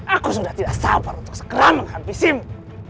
aku sudah tidak sabar untuk segera menghabisin